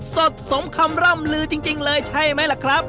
สดสมคำร่ำลือจริงเลยใช่ไหมล่ะครับ